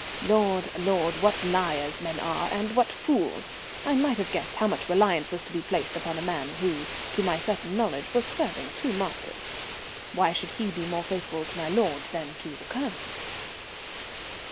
Lord! Lord! what liars men are and what fools! I might have guessed how much reliance was to be placed upon a man who, to my certain knowledge, was serving two masters. Why should he be more faithful to my lord than to the Colonel?